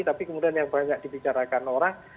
tapi kemudian yang banyak dibicarakan orang